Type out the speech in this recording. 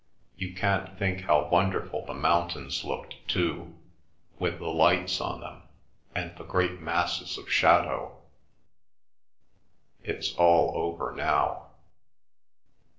You can't think how wonderful the mountains looked too, with the lights on them, and the great masses of shadow. It's all over now."